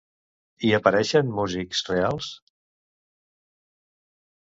Hi apareixen músics reals?